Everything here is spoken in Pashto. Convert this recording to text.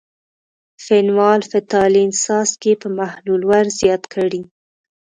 فینول – فتالین څاڅکي په محلول ور زیات کړئ.